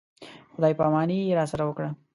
خدای په اماني یې راسره وکړه.